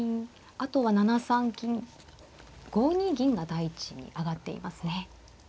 あとは７三金５二銀が第一に挙がっていますね。